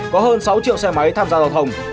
có hơn sáu triệu xe máy tham gia giao thông